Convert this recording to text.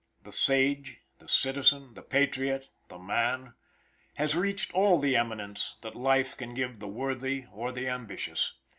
The sage, the citizen, the patriot, the man, has reached all the eminence that life can give the worthy or the ambitious.